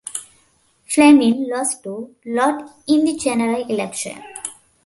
Fleming lost to Lott in the general election.